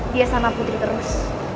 dia sama putri terus